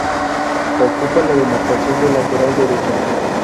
Ocupa la demarcación de lateral derecho.